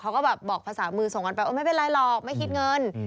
เขาก็แบบบอกภาษามือส่งกันไปไม่เป็นไรหรอกไม่คิดเงิน